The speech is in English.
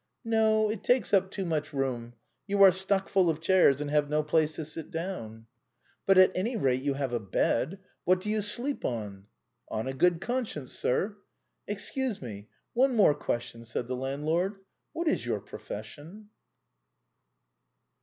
" No, it takes up too much room. You are stuck full of chairs, and have no place to sit down." " But, at any rate, you have a bed. What do you sleep on?" On a good conscience, sir." 14 THE BOHEMIANS OF THE LATIN QUARTER. " Excuse me ; one more question," said the landlord :" What is your profession